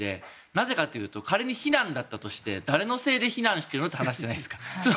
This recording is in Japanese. なぜかというと仮に避難だったとして誰のせいで避難してるのって話じゃないですか。